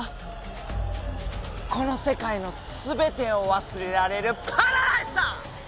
この世界のすべてを忘れられるパラダイスだ！